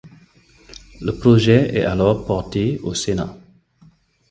Le projet est alors porté au Sénat.